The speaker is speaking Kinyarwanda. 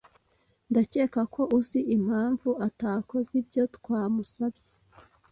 Ndakeka ko uzi impamvu atakoze ibyo twamusabye.